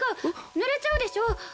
ぬれちゃうでしょ？